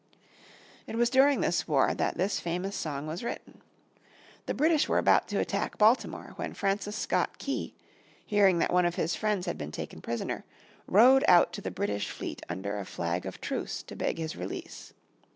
It was during this war that this famous song was written. The British were about to attack Baltimore when Francis Scott Key, hearing that one of his friends had been taken prisoner, rowed out to the British fleet under a flag of truce to beg his release.